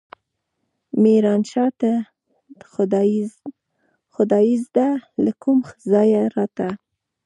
ميرانشاه ته خدايزده له کوم ځايه راته.